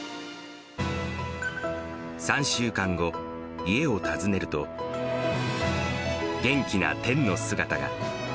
３週間後、家を訪ねると、元気な天の姿が。